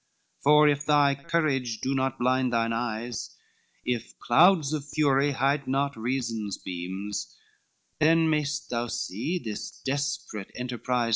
LXX "For, if thy courage do not blind thine eyes, If clouds of fury hide not reason's beams, Then may'st thou see this desperate enterprise.